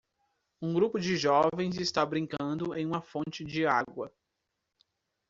Um grupo de jovens está brincando em uma fonte de água.